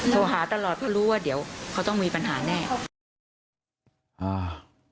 โทรหาตลอดเพราะรู้ว่าเดี๋ยวเขาต้องมีปัญหาแน่